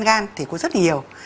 men gan thì có rất là nhiều